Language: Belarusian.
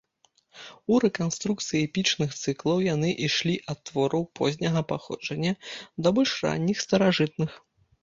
У рэканструкцыі эпічных цыклаў яны ішлі ад твораў позняга паходжання да больш ранніх, старажытных.